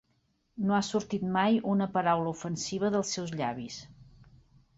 No ha sortit mai una paraula ofensiva dels seus llavis.